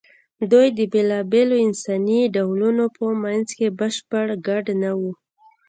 دوی د بېلابېلو انساني ډولونو په منځ کې بشپړ ګډ نه وو.